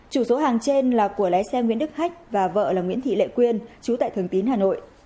chủ số hàng trên là của lái xe nguyễn đức hách và vợ là nguyễn thị lệ quyên chú tại thường tín hà nội